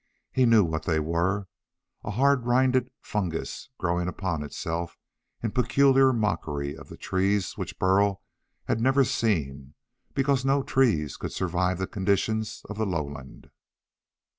He knew what they were: a hard rinded fungus growing upon itself in peculiar mockery of the trees which Burl had never seen because no trees could survive the conditions of the lowland.